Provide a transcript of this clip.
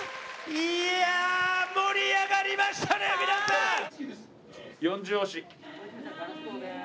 いや盛り上がりましたね